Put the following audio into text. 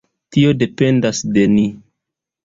Tio dependos de ni!